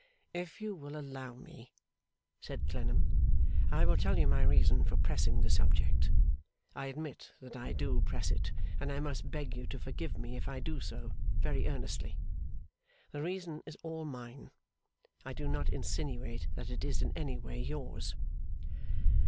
'If you will allow me,' said Clennam, 'I will tell you my reason for pressing the subject. I admit that I do press it, and I must beg you to forgive me if I do so, very earnestly. The reason is all mine, I do not insinuate that it is in any way yours.